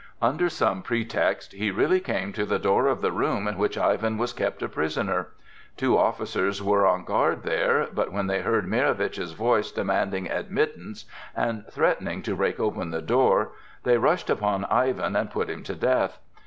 Under some pretext he really came to the door of the room in which Ivan was kept a prisoner. Two officers were on guard there, but when they heard Mirowitch's voice demanding admittance and threatening to break open the door, they rushed upon Ivan and put him to death.